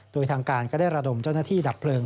โดยทางการก็ได้ระดมเจ้าหน้าที่ดับเพลิง